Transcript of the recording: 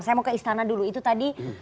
saya mau ke istana dulu itu tadi